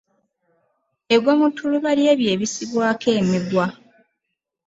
Egwa mu ttuluba ly’ebyo ebisibwako emigwa.